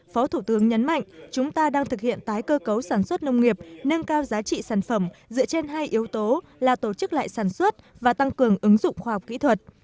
phó thủ tướng nhấn mạnh chúng ta đang thực hiện tái cơ cấu sản xuất nông nghiệp nâng cao giá trị sản phẩm dựa trên hai yếu tố là tổ chức lại sản xuất và tăng cường ứng dụng khoa học kỹ thuật